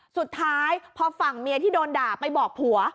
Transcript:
สุดท้ายพอฝั่งเมียที่โดนด่าไปบอกผัว